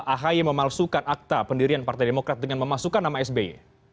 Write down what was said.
ahy memalsukan akta pendirian partai demokrat dengan memasukkan nama sby